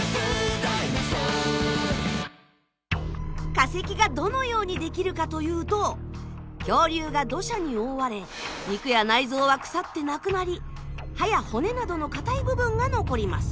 化石がどのようにできるかというと恐竜が土砂に覆われ肉や内臓は腐ってなくなり歯や骨などの硬い部分が残ります。